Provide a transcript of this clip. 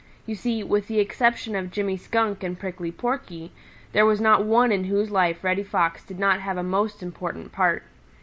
You see, with the exception of Jimmy Skunk and Prickly Porky, there was not one in whose life Reddy Fox did not have a most important part.